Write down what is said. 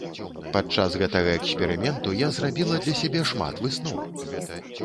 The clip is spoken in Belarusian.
Падчас гэтага эксперыменту я зрабіла для сябе шмат высноў.